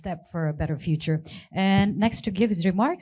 langkah besar untuk masa depan yang lebih baik